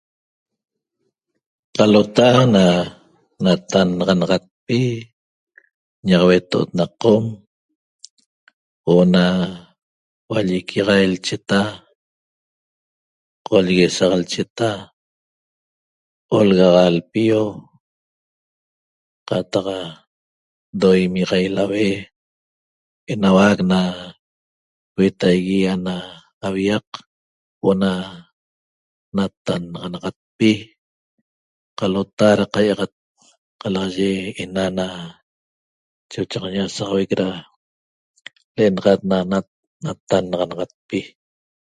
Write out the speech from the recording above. Qalota na natannaxanaxatpi ñaq hueto'ot na qom huo'o na hualliquiaxai lcheta, qolleguesaq lcheta, olgaxa lpio qataq doimiaxai laue enauac na huetaigui ana aviaq huo'o ana natannaxanaxatpi qalota ra qaiaxat qalaxaye ena choche ñasaxauec le'enaxat ana natannaxanaxatpi